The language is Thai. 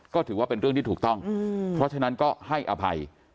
ก็ถือว่าเป็นเรื่องที่ถูกต้องเพราะฉะนั้นก็ให้อภัย